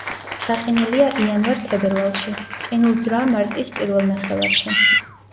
გაყინულია იანვარ-თებერვალში, ყინულძვრაა მარტის პირველ ნახევარში.